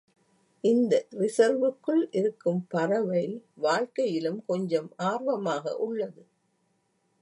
இந்த ரிசர்வுக்குள் இருக்கும் பறவை வாழ்க்கையிலும் கொஞ்சம் ஆர்வமாக உள்ளது.